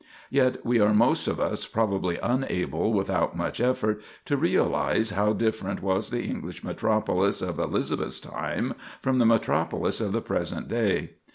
Yet we are most of us probably unable without much effort to realize how different was the English metropolis of Elizabeth's time from the metropolis of the present day.